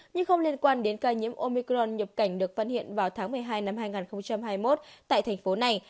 nhưng không liên quan đến ca nhiễm omicron nhập cảnh được phát hiện vào tháng một mươi hai năm hai nghìn hai mươi một tại thành phố này